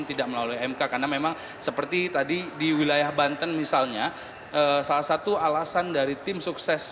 tidak melalui mk karena memang seperti tadi di wilayah banten misalnya salah satu alasan dari tim sukses